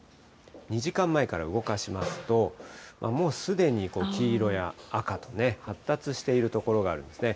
２時間前から動かしますと、もうすでに黄色や赤と、発達している所があるんですね。